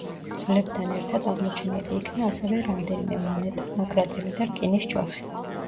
ძვლებთან ერთად აღმოჩენილი იქნა ასევე რამდენიმე მონეტა, მაკრატელი და რკინის ჯოხი.